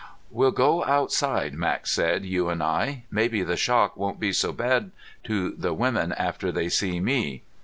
"We'll go outside," Max said. "You and I. Maybe the shock won't be so bad to the women after they see me."